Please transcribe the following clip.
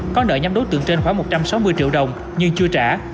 có nợ nhắm đối tượng trên khoảng một trăm sáu mươi triệu đồng nhưng chưa trả